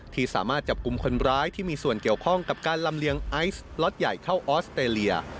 ที่สามารถจับกลุ่มคนร้ายที่มีส่วนเกี่ยวข้องกับการลำเลียงไอซ์ล็อตใหญ่เข้าออสเตรเลีย